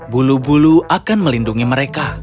bulu bulu akan melindungi mereka